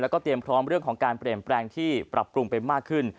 แล้วก็เตรียมพร้อมเรื่องของการเปลี่ยนแปลงที่ปรับปรุงไปมากขึ้น